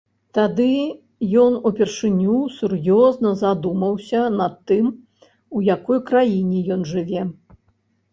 Тады ён упершыню сур'ёзна задумаўся над тым, у якой краіне ён жыве.